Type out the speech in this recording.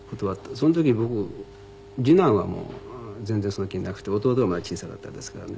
その時僕次男は全然その気なくて弟はまだ小さかったですからね。